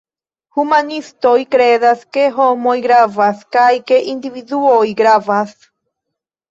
Humanistoj kredas ke homoj gravas, kaj ke individuoj gravas.